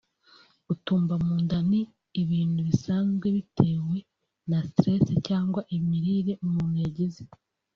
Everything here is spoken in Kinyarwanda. Gutumba mu nda ni ibintu bisanzwe bitewe na stress cyangwa imirire umuntu yagize